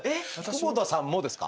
久保田さんもですか？